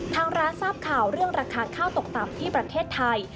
ทางร้านทราบข่าวเรื่องราคาข้าวตกต่ำที่ประเทศไทย